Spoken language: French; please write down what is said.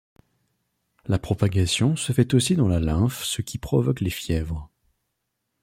La propagation se fait aussi dans la lymphe ce qui provoque les fièvres.